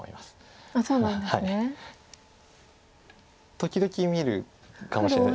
時々見るかもしれない。